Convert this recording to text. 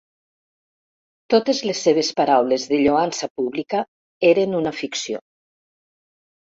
Totes les seves paraules de lloança pública eren una ficció.